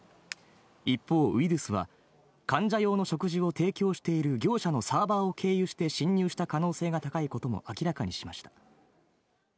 一方、ウイルスは患者用の食事を提供している業者のサーバーを経由して侵入した可能性が高いことも明らかにしました。